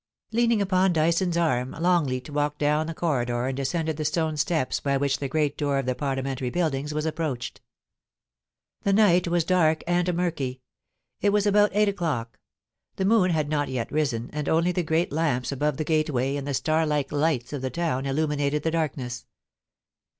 Leaning upon Dyson's arm, Longleat walked down the corridor and descended the stone steps by which the great door of the Parliamentary Buildings was approached. The night was dark and murky. It was about eight o'clock ; the moon had not yet risen, and only the great lamps above the gateway and the starlike lights of the town illuminated the blackness.